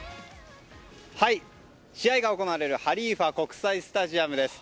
試合が行われるハリーファ国際スタジアムです。